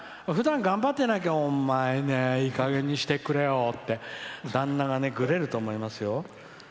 ふだん、頑張ってないとお前いいかげんにしてくれよって旦那がグレると思いますよ。